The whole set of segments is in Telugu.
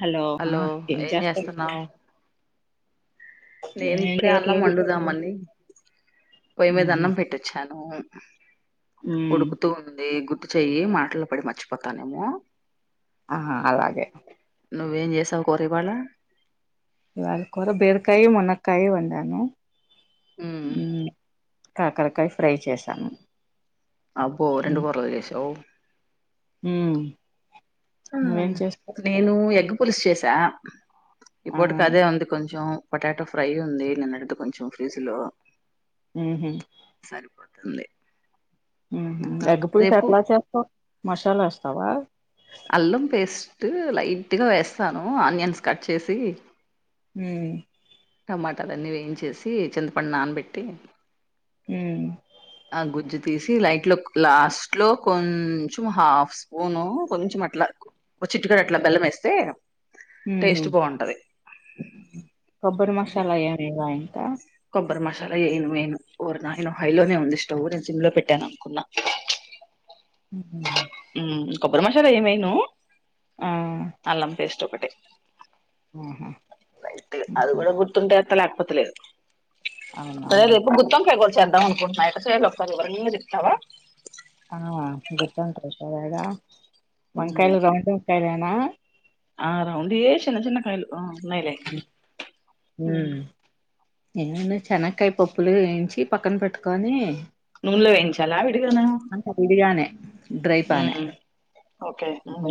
హలో ఆ ఏం చేస్తావ్ నేను ఇప్పుడే అళ్లం చేయట్లేదు వండుదామని పొయ్యి మీద ఉహు అన్నం పెట్టొచ్చాను ఉమ్ ఉడుకుతూ ఉంది గు చేయి మాటలు పడి మర్చిపోతానేమో ఆ అలాగే నువ్వేం చేసావు కుర్ర ఇవాళ ఇళ కూర బీరుకాయ మునకాయి వంటాను ఉమ్ అ కాకరకాయ ఫ్రై చేశాను అబ్బో రెండు కుర్రాళ్లు చేసావ్ హ ఆ నేను ఎగ పులుష చేసా ఆ ఇపోట కదే వంది కొంచం పొటాటో ఫ్రై ఉంది నిన్నటి కొంచెం ఫ్రిడ్జ్ లో మ్మ్ మ్ అంది ఎగ పులుసు ఎట్లా చేస్తావ్ మసాలా వస్తా సవా అల్లం పేస్ట్ లైట్గా వేస్తాను ఆనియన్స్ కట్ చేసి మ్ టమాట అదన్నీ వేయించేసి చింతపండు నానబెట్టి మ్ ఆ గుజ్జు తీసి లైట్ లో లాస్ట్ లో కొంచెం హాఫ్ స్పూను కొంచెం అట్లా ఒక చిట్టుకాడ అట్లా బెల్లం వేస్తే ఉహు టేస్ట్ బాగుంటది కొబ్బరి అది మసాలా ఏవ ఇవ ఎంత కొబ్బరి మసాలా ఏను వెయ్యను ఓరినాయనో హైలోనే ఉంది స్టవ్ నేను సిమ్ లో పెట్టాను అనుకున్నా ఉ కొబ్బరి మషాలా ఏమైను ఆ ఆలం పేస్ట్ ఒకటి ఆహా ర్ అది కూడా గుర్తుంటతలే లేకపోతే లేదు అవునా అ రేపు గుత్తివంకాయ కుర్ చా ఉనుకుంటున్నా ఎట్లా చెయ్యాలో కొంచెం వివరాం గా చెప్తావా ఆ గ ట సగా ఉమ్, మంకాయలు రా సరేనా ఆ [unintelligible] చిన్న చిన్న కయలు అ అన్నాయిలే నేను చెనకాయ పప్పులు వేయించి పక్కన పెట్టుకొని నూనలో వేయించాలా విడిగాన అంత విడిగానే డ్రై గానే ఓకే ఉమ్.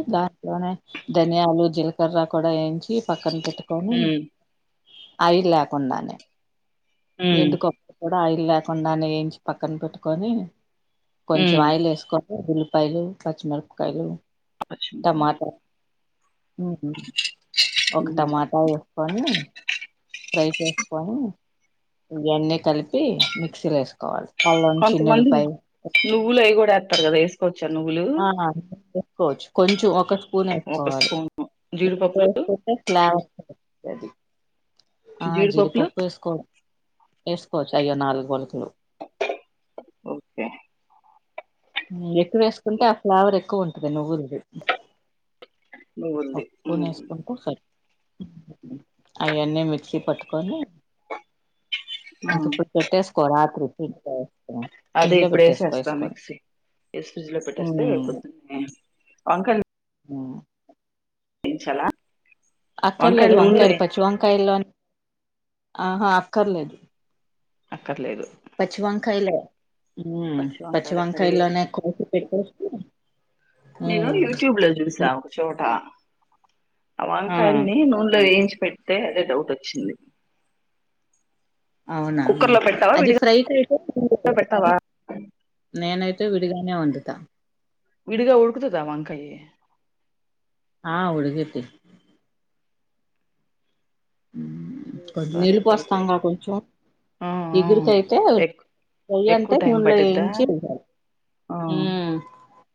ఇట్లోనే ధనియాలు జీలకర్ర కూడా ఏంచ ఇ పక్కన పెట్టకోని ఉమ్ అవి లేకుండానే ఉమ్ ఎండుకో అయిల్ లేకుండా నేయించి పక్కన పెట్టుకొని కొంచెం ఉమ్ ఆయిల్ వేసుకో ఉుల్పాయలు పచ్చిమిరపకాయలు టమాటా [unintelligible] ఒక ఉమ్. టమాటా వేసుకొని ఫ్రై చేసుకొని ఇవన్నీ కలిపి మిక్సీలో వేస్ కొంతమంది నువ్వులు అయి కూడస్తారు కదా వేసుకోవచ్చా ను ఆ చెసుకోవచ్చు కొంచెం ఒక్ ఒక స్పూన్ ఒక వేసుకోవాలి స్పూను జీడిపప్పులు [unintelligible] [unintelligible] ఆ జీడిపప్పులు జడిపొప్పు వేసుకో వేస్కోవచ్చ అయ్యో నాలుగు గోలుకులు ఓకే ఎక్కువేసుకుంటే ఆ ఫ్లావర్ ఎక్కువ ఉంటంది నువ్వురిది నువ్వుల్దీ మ్ అయ న్న మిక్సీ పట్టుకొని ఉమ్. ఇంకప్పుడు పెట్టేసుకో రాత్రి [unintelligible] అది ఫ్రిడ్జ్ లో పెట్టేసుకో ఇప్పుడేసేస్తాం మీ వేసుకొని ఫ్రిడ్జ్ లో పెట్టేస్తే రేపు ఉమ్, పొద్దేనే ఆ [unintelligible] అక్కర్లేదు నూనెలో వంకాయలు వే పచ్చి వంకాయల్లోని ఆహా అక్కర్లేదు అక్కర్లేదు పచ్చి వంకాయలో మ్మ్ పచ్చి వంకాయలు వంకాయ కడిగేసి లోనే ఎక్కువ నేను యూట్యూబ్ లో [unintelligible] మ్మ్ చూసా ఒక చోట ఆ కానీ నూనెలో వేయించి పెడితే అది డౌట్ వచ్చింది అవునా కుక్కర్ లో పెట్టావా అది విడిగా పైకైతే పెడతావా [inaudible] నైన్ విడుగానేే వండుతా విడిగా ఉడుకుతాదా వంకాయి ఆ ఉడికిద్ది మ్, కొద్ది చూస్తా నీళ్ళు రేపు అయితే పోస్తాంగా కొంచెం ఆ ఆ ఇగురికైతే ఎ ఫ్రై ఎక్కువ అంటే టైం నూనెలో పట్టిందా వేయించి వేయాలి ఆ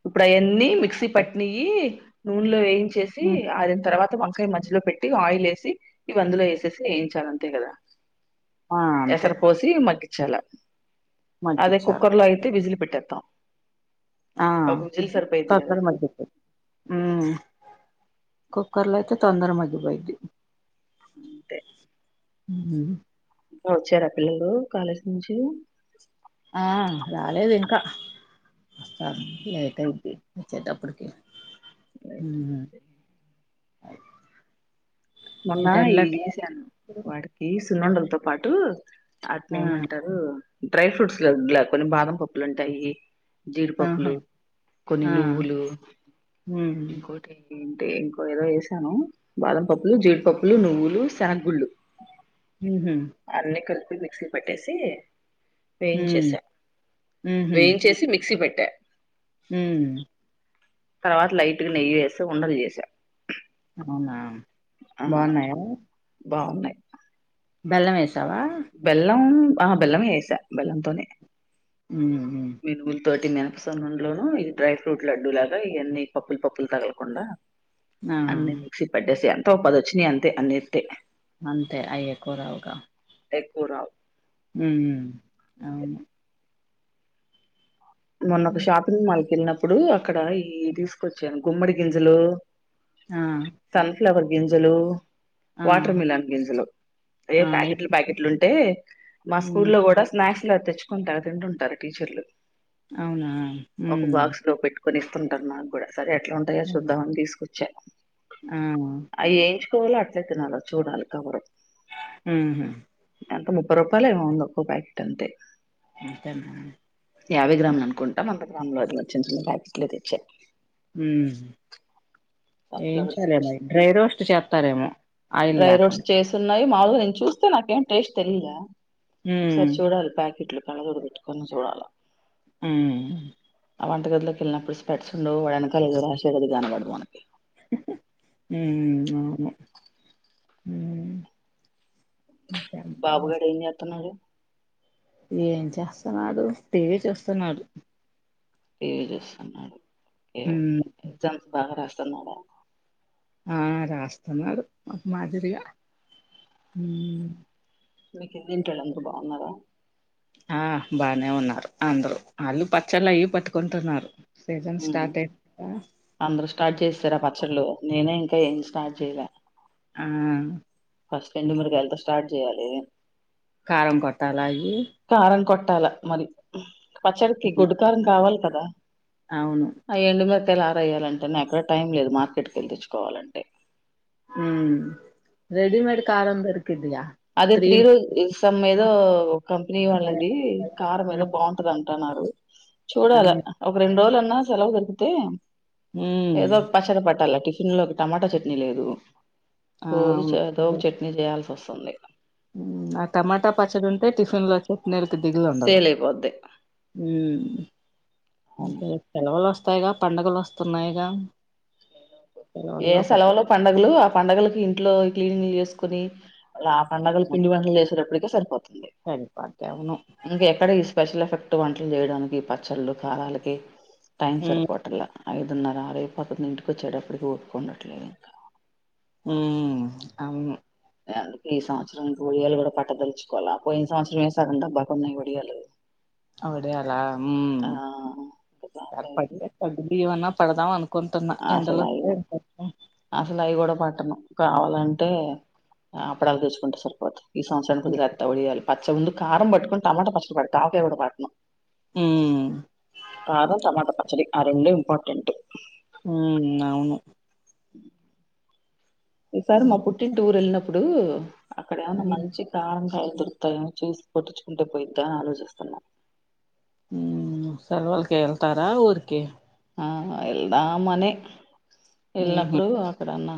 ఇప్పుడు అవన్నీ మిక్సీ పట్టినయి నూనెలో ఏయి చేసి ఉమ్ ఆరిన తర్వాత మా కానీ మధ్యలో పెట్టి ఆయిల్ వేసి ఇవి అందులో వేసేసి ఏచాలి అంతే కదా ఆ అంతే ఏసారి పోసి మగ్గి చల అదే మగ్గిచ్చారు కుక్కర్ లో అయితే విజిలి పెట్టేత్తాం ఆ ఒక విజిల్ సరిపోయిద్ది కదా కొబారి [unintelligible] ఉమ్మ్ కుక్కర్లో అయితే తొందరగా మగ్గిపోయింది అంతే మ్మ్ వచ్చారా పిల్లలు కాలేజీ నుంచి ఆ రాలేదు ఇంకా వస్తారులే లేట్ అయిపోయింది వచ్చేటప్పటికి ఉమ్మ్ మొన్న ఎం ఏంటండ్లట్లా చేశాను వాడికి [unintelligible] పాటు అట్ని ఆ ఏమంటారు డ్రై ఫ్రూట్స్ లో కొన్ని బాదం పప్పులు ఉంటాయి ఆహా జీడిపప్పులు కొన్ని ఆ నువ్వులు హ్మ్. ఇంకోటి ఏంటి ఇంకో ఏదో వసాను బాదం పప్పు ప్పులు జీడిపప్పులు నువ్వులు శనగ్గుళ్ళలు హు హుమ్ మిక్సీ పట్టేసి హ్మ్. వేయించేసా వేయించేసి మిక్సీ పెట్ హుమ్మ్ తర్వాత లైట్ గ నెయ్యి వేసా ఉండలు చేసా అవునా బాగున్నాయా బాగున్నాయ్ బెల్లమేస్ బెల్లం ఆహా బెళ్ళమే ఏసా బెల్లంతోనే ఉ హు తోటి మెనపసన్నం లోను ఈ డ్రై ఫ్రూట్ లడ్డు లాగా ఇవన్నీ పప్పులు పప్పులు తగలకుండా ఆ! అన్నీ మిక్సీ పట్టేసియా త పదొచ్చినయి అంతే అన్నిస్తే అంతే అయ్య కూరవుగా ఎక్కువ రావు ఉమ్ ఉ అవును మొన్న ఒక షాపింగ్ మాల్ కి వెళ్ళినప్పుడు ఇప్పుడు అక్కడ ఈ తీసుకొచ్చాను గుమ్మడి గింజలు ఆ ఫ్లవర్ గింజలు ఆ! వాటర్ మిలన్ గింజలు ఏ ఆ! ఎప్ ప్యాకెట్లు ప్యాకెట్లు ఉంటే మా హ్మ్. స్కూల్లో కూడా స్నాక్స్ ఇట్లా తెచ్చుకుంటార్ తిండుంటారు టీచర్లు అవునా హుమ్మ్ కొనిస్తుంటారు నాగూడ సరే ఎట్లా ఉంటయో చూద్దామని తీసుకు చె ఆ ఫోన్ లో అట్లే తినాల చూడాలి కవరు హు హు ఎంత ముప్పై రూపాయలో ఏమో ఉంది ఒక్క ప్యాకెట్ అంతే అంతేనా యాభై గ్రామ్లు అనుకుంటాం మల్ గ్రామ్ లో చిన్న చిన్న ప్యాకెట్లు తెచ్చే ఉహుమ్ సన్ఫ్లవర్ సీడ్స్ ఏయించాలేమరి డ్రై రోస్ట్ చేస్తారేమో ఆయిల్ లేకుండా నాయి మాములుగా నిను చూస్తే నాకేం టేస్ట్ తెలువలే ఒకసారి హ్మ్. చూడాలి ప్యాకెట్లు కళ్ళ జోడు పెట్టుకొని సూడాల హు ఆ వంట గదిలోకి వెళ్ళినప్పుడు స్పెట్స్ంలో వాడు వెనకాల ఎదో రాసేది అది కానబదు మనకి హు హు అవును ఇంకేం మరి? బాబుగడు ఎం చెతున్నాడు ఏం చేస్తున్నాడు టీవీ వ చూస్తున్నాడు టి వీ చుస్తున్నాడు ఒకే ఓకే ఉమ్, ఎగ్జామ్స్ బాగ రస్ స్తున్నడా ఆ రాస్తున్నాడు ఒక మాదిరిగా మీకు కిందింటోళ్ళంత బాగున్నారా ఆ బానే ఉన్నారు అందరు అళ్ళు పచ్చళ్ళు అయి పట్టుకుంటున్నారు సీజన్ హు స్టార్ట్ అయి అందరు స్టార్ట్ చేసేసారా ప చ్చలు నేనే ఇంకా ఏం స్టార్ట్ చేయలే ఆ చేయాలిగా కారం కొట్టాాల అయ్యి ట్టాలా మరి పచ్చడికి గోడ్డు కారం కావాలి కదా అవును ఆ ఎండు మే ట్టే ఆరేయ్యాలంటే ఎక్కడ టైం లేదు మార్కెట్కి వెళ్ళి తెచ్చుకోవాలంటే హు రెడిమేడ్ కారం దొర్ అదే త్రీ రోజసమ్ మీదో ఒక కంపెనీ కారం. వాళ్ళది కారం ఎదో ఉమ్, బాగుంటది అంటున్నారు చూడాలా అవును ఒక రెండు రోజులు అన్ న సెలవు దొరుకుతే ఉమ్, ఏదో పచ్చడ పట్టాల టి ఫీన్లోకి టమాటా చట్నీ లేదు రోజు అవును చ రోజు చట్నీ చెయ్యాల్ సోస్ స్తుంది హు ఆ టమాటా పచ్చడి ఉంటే టిఫిన్ లో చట్నీ ల్ దిగులు ఉండదు సేల్ అయిపోద్ది అవును తెం వాల్ తాయిగా పండుగలు వస్తున్నాయిగా ఏ సెలవుల్లో సెలవులో పండగలు ఆ పండుగలకి ఇంట్లో క్లీనింగ్ లు చేస్ కుని ఆ పండగలు పట్టించుకుంటే పిడివంటలు చేసే టప్పటిక్ సరిపోత అవును ఇంకెక్కడ ఈ స్పెషల్ ఎఫెక్ట్ పుట్టు వంటలు చేయడానికి పచ్చళ్ళు కారాలకి టైం మ్మ్ సరిపోట్లా అయి అన్నార రేపు పొద్దునే ఇంటికి వచ్చేటప్పటికి కుండట్లేదు ఇంకా హమ్ అవును అందుకే ఈ సంవత్సరం ఒడియాలు కూడా పట్టదలుచుకోవాల పోయిన సంవత్సరం వేసారంట బాగుఉన్నాయి ఒడియాలు అవడే అలా ఆ ఉమ్ ఇంక చాలులే అవి. ఇవన్నా పడదాం అను కొంటన్నా అసలు ఎంతలో అయి అసలు అయి కూడా పట్టను కావాలంటే అప్పడాలు తెచ్చుకుంటే సరిపోది ఈ సంవత్సరానికి వదిలేత్త వడియాలు పచ్చడి ఉంది కారం పట్టుకొని టమాట పచ్చడి పడుతా ఆవికాయ కూడా పట్టను మ్మ్ కారం టమాట ప సరీ ఆ రెండు ఇంపార్టెంటే హ అవును ఈసారి మా పుట్టింటి ఊరు వెళ్లిన అప్పుడు అక్కడ ఏన్నా మంచి కారం కా కుదురుతాయో చూసి పట్టించుకుంటే పోయిద్దా అని ఆలోచిస్తున్నా ఊమ్ సెలవల్కి వెళ్తారా ఊరికి ఆ ఎల్దామనే మ్మ్ వెళ్ళినప్పుడు అక్కడ అన్న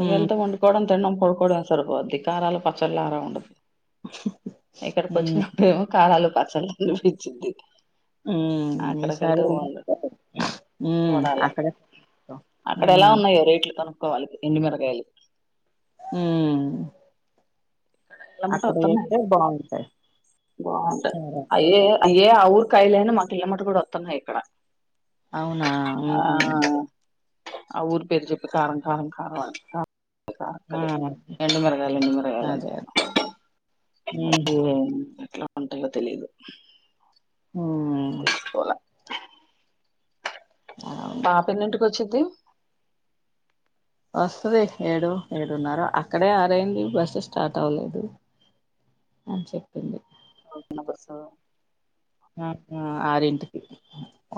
మ్మ్ పండు తిండం పడుకోవడమే సరిపోద్ది కారాలు పచ్చళ్ళ ఆరా ఉండదు ఇక్కడికి మ్మ్ వచ్చినప్పుడేమో కారాలు పచ్చళ్ళ పిచ్చిది ఉమ్ ఈసారి మ్మ్ చూడాలా అక్కడే పెడతాం అక్కడ ఎలా మ్మ్ ఉన్నాయో రేట్లు కను కోవాలి ఎండుమిరకాయలు హమ్మ్ ఇండ్లెమ్మట వత్తన్నాయి బాగుంటాయి బాంటాయ్ సరే. అయ్యే అయ్యే ఆ ఊరు కాయలనా మాకి ఇండ్లెమ్మట కూడా వస్తున్నాయి ఇక్కడ అవునా ఆ ఆ ఊరు పెరిజప్ప కారం కారం కారం అ ఆ అక్కడ ఎండు మిరగాలు ఎం అదే మిరగాయనుకో అదే హ్మ్ ఎట్లా ఉంటాయో తెలీదు ఉమ్ పోలా అవును పాప వచ్చది వస్తుంది ఏడు ఏడున్నార అక్కడే ఆరైంది బస్సు స్టార్ట్ అవ్వలేదు అని చెప్పింది పోతుందా బస్ ఆ ఆరింటికి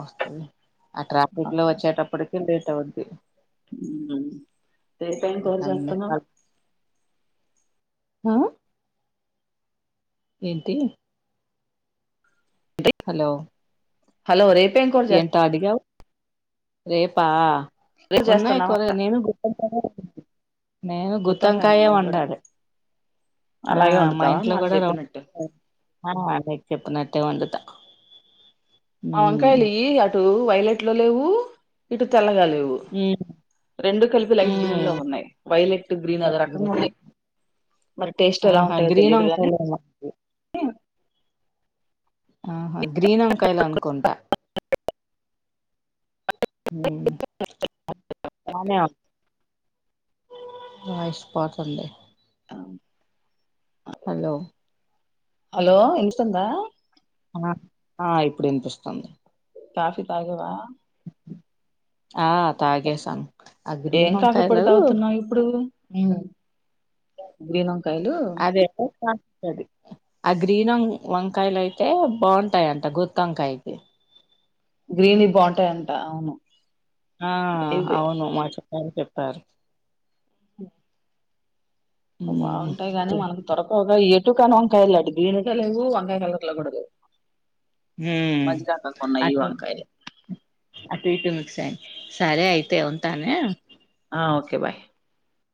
వస్తుంది ఆ ట్రాఫిక్ లో వచ్చేటప్పటికి లేట్ ఉంది హ్మ్ రేపేం కూర జేత్తునావ్ హ ఏంటి హలో హలో రేపు ఎంట అడిగావ్ రేపా రేపు ఉన్నాయి చేస్తున్నావా కొరగా నేను గుకా నేను గుత్తొంకాయనా గుత్తంకాయే నువ్వు కూడా వండాలి ఆ అలాగే మా వండుతావా ఇంట్లో నాకు కూడా ర చెప్పినట్టు నకు చెప్పినట్టే వండుతాను అ వంకాయిల ఈ అ అటు వైలెట్ లో లేవు ఇటు తెల్లగా లేవ్ ఉమ్ రెండు కలిపి లైట్ గ్రీన్ లో ఉమ్ ఉన్నాయి వైలెట్ గ్రీన్ అది రకంగా ఉన్నా మరి టేస్ట్ ఎలా ఆహా ఉంటాయో గ్రీన్ తెలిదు నీ వంకాయలు ఉన్నాయి. ఆహా గ్రీన్ వంకాయలు అనుకుంటా హ్మ్ బానే బా ఇష్టపోతుండి అాను హలో హలో ఇన్తుందా ఆ ఆ ఇప్పుడు వినిపిస్తుంది కాఫీ తాగేవా ఆ తాగే సం ఏం కాఫీ పొడు తాగుతున్నావ్ ఇప్పుడు ఏమి గ్రీన్ వంకాయలు స ఆ గ్రీన్ం వంకాయలు అయితే బాగుంటాయంట గుతి వంకాయకి గ్రీన్ది బాంటదంట. అవును ఆ ఇవి అవును మాచ అని చెప్తారు. ఉమ్ బాగుంటాయి గానీ, మనకి త్వరతరగా ఏది టు కాని వంకాయలాంటి గ్రీన్ గా లెవు. వంకాయ కలర్ల కూడ లేవు. మ్మ్ మజ్జిగ ఆకారంగా ఉన్నాయి ఈ అటు ఇ వంకాయలు అటు ఇటు మిక్సయి, సరే అయితే, ఉంటానె. Okay bye.